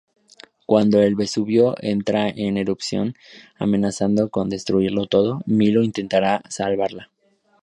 Cuando el Vesubio entra en erupción amenazando con destruirlo todo, Milo intentará salvarla...